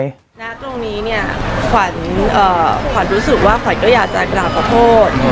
ณตรงนี้เนี่ยขวัญรู้สึกว่าขวัญก็อยากจะกราบขอโทษ